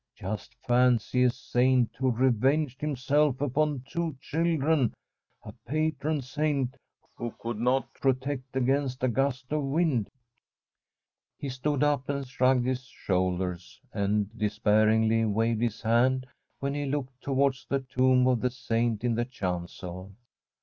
Just fancy a Saint who revenged himself upon two children — a patron Saint who could not protect against a gust of wind ! From a SfFEDISH HOMESTEAD He stood up, and he shrugged his shoulders, and disparagingly waved his hand when he looked towards the tomb of the Saint in the chancel.